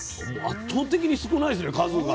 圧倒的に少ないですね数が。